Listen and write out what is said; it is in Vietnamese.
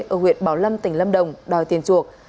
ở huyện bảo lâm tỉnh lâm đồng đòi tiền chuộc